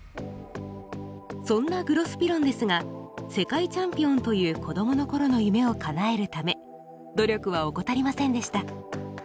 そんなグロスピロンですが世界チャンピオンという子供の頃の夢をかなえるため努力は怠りませんでした。